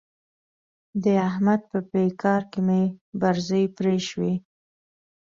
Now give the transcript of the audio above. د احمد په بېګار کې مې برځې پرې شوې.